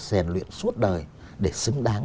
rèn luyện suốt đời để xứng đáng